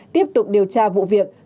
tiếp tục điều tra vụ việc